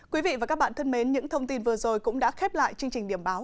quý vị và các bạn thân mến những thông tin vừa rồi cũng đã khép lại chương trình điểm báo